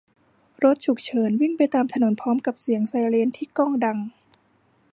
รถฉุกเฉินวิ่งไปตามถนนพร้อมกับเสียงไซเรนที่ก้องดัง